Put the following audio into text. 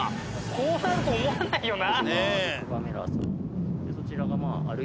こうなると思わないよな。